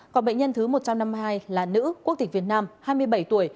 còn bệnh nhân thứ một trăm năm mươi hai là nữ quốc tịch việt nam hai mươi bảy tuổi